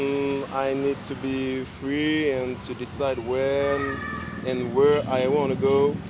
dan saya perlu bebas dan memutuskan kapan dan kemana saya ingin pergi